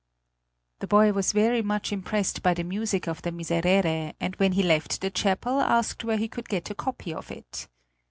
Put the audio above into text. The boy was very much impressed by the music of the "Miserere," and when he left the Chapel asked where he could get a copy of it.